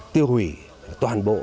tiêu hủy toàn bộ